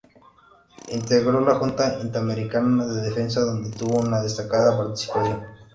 Integró la Junta Interamericana de Defensa, donde tuvo una destacada participación.